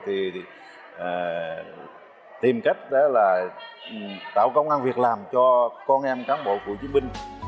thì tìm cách tạo công an việc làm cho con em cán bộ cụ chiến binh